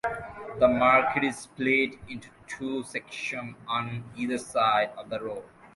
The market is split into two sections on either side of the road.